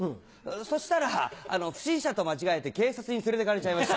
そしたら不審者と間違えて警察に連れて行かれちゃいました。